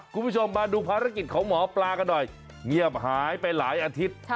คุณผู้ชมมาดูภารกิจของหมอปลากันหน่อยเงียบหายไปหลายอาทิตย์